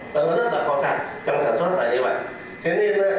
và nó rất là khó khẳng trong sản xuất là như vậy